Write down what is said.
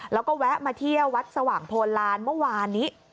แล้วก็แวะมาเที่ยววัดสว่างโพลานเมื่อวานนี้